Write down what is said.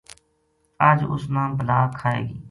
اج اس نا بلا کھائے گی‘‘